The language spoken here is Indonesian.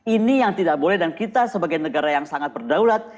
ini yang tidak boleh dan kita sebagai negara yang sangat berdaulat